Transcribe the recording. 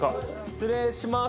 失礼します